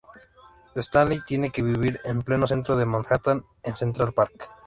Stanley tiene que vivir en pleno centro de Manhattan en Central Park.